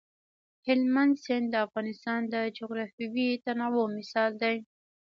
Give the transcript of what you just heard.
هلمند سیند د افغانستان د جغرافیوي تنوع مثال دی.